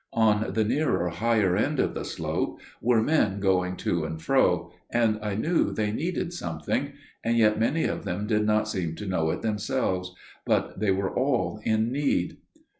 On the nearer higher end of the slope were men going to and fro, and I knew they needed something––and yet many of them did not seem to know it themselves––but they were all in need.